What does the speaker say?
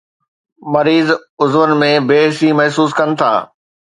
مريض عضون ۾ بي حسي محسوس ڪن ٿا